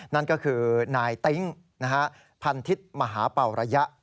นั่นก็คือนายติ๊งพันทิศมหาเป่าระยะ